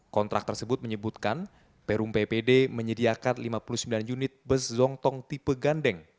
kontrak tersebut menyebutkan perum ppd menyediakan lima puluh sembilan unit bus zongtong tipe gandeng